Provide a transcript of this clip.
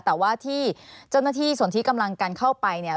แต่ว่าที่เจ้าหน้าที่ส่วนที่กำลังกันเข้าไปเนี่ย